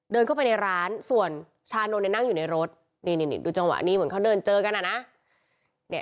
เดินเข้าไปในร้านส่วนชานนท์นั่งอยู่ในรถนี่ดูจังหวะนี้เหมือนเขาเดินเจอกันอ่ะนะ